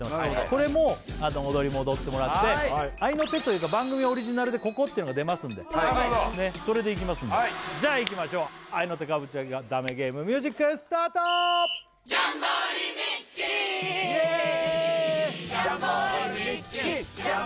これも踊りも踊ってもらって合いの手というか番組オリジナルでここっていうのが出ますんでそれでいきますんでじゃあいきましょう合いの手かぶっちゃダメゲームミュージックスタートイエーイ！